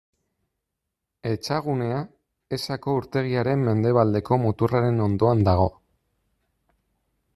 Etxagunea, Esako urtegiaren mendebaldeko muturraren ondoan dago.